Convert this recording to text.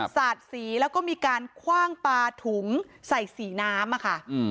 สาดสีแล้วก็มีการคว่างปลาถุงใส่สีน้ำอะค่ะ